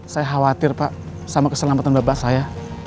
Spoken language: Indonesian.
saya khawatir pak sama keselamatan bapak saya